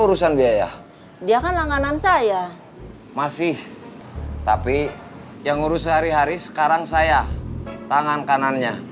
urusan biaya dia kan langganan saya masih tapi yang ngurus sehari hari sekarang saya tangan kanannya